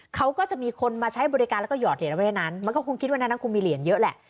เขาก็จะมีคนมาใช้บริการแล้วก็หอดเหรียญระเว่นั้นมันก็คงคิดว่าในนั้นคงมีเหรียญเยอะแหละ